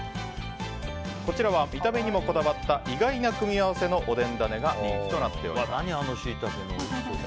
こちらは見た目にもこだわった意外な組み合わせのおでんだねが人気となっております。